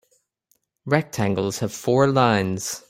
Rectangles have four lines.